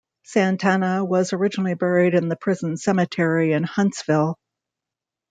Satanta was originally buried in the prison cemetery in Huntsville.